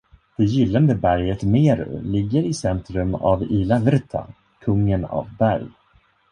Det gyllene berget Meru ligger i centrum av Ila-vrta, kungen av berg.